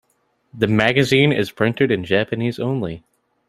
The magazine is printed in Japanese only.